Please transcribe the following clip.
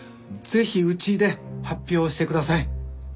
ぜひうちで発表してください。